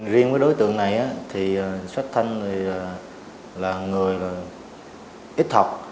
riêng với đối tượng này thì sách thanh là người ít học